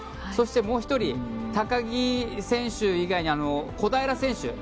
そしてもう１人、高木選手以外に小平選手。